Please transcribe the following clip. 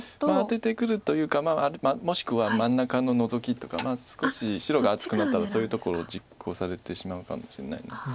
アテてくるというかもしくは真ん中のノゾキとか少し白が厚くなったらそういうところを実行されてしまうかもしれない。